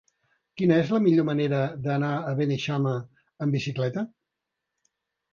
Quina és la millor manera d'anar a Beneixama amb bicicleta?